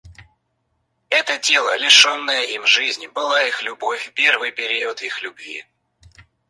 Это тело, лишенное им жизни, была их любовь, первый период их любви.